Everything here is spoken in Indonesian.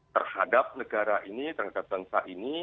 terhadap negara ini terhadap bangsa ini